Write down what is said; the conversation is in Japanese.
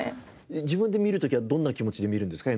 自分で見る時はどんな気持ちで見るんですか？